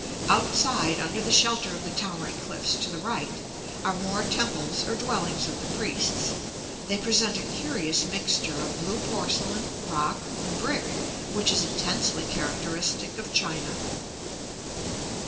Outside, under the shelter of the towering cliffs to the' right, are more temples or dwellings of the priests; they present a curious mixture of blue porcelain, rock, and brick which is intensely characteristic of China.